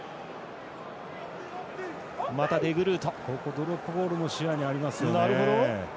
ドロップボールも視野にありますよね。